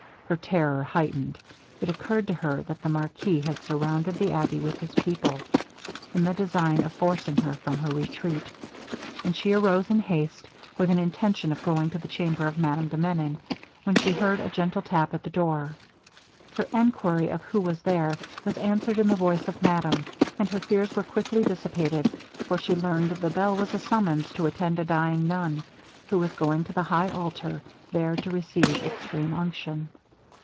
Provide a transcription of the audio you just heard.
Her terror heightened; it occurred to her that the marquis had surrounded the abbey with his people, in the design of forcing her from her retreat; and she arose in haste, with an intention of going to the chamber of Madame de Menon, when she heard a gentle tap at the door. Her enquiry of who was there, was answered in the voice of madame, and her fears were quickly dissipated, for she learned the bell was a summons to attend a dying nun, who was going to the high altar, there to receive extreme unction.